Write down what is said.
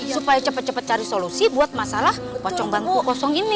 supaya cepet cepet cari solusi buat masalah pocong mangkuk kosong ini